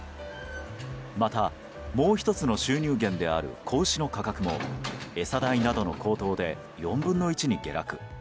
また、もう１つの収入源である子牛の価格も、餌代などの高騰で４分の１に下落。